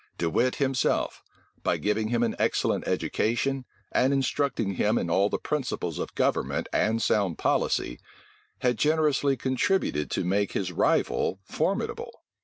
De Wit himself, by giving him an excellent education, and instructing him in all the principles of government and sound policy, had generously contributed to make his rival formidable.